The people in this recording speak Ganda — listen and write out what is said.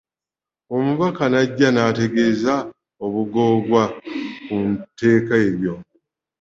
Omubaka n'ajja n'ategeeza obugoogwa ku tteeka eryo.